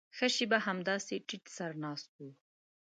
ښه شېبه همداسې ټيټ سر ناست و.